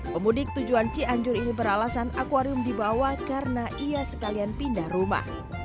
pemudik tujuan cianjur ini beralasan akwarium dibawa karena ia sekalian pindah rumah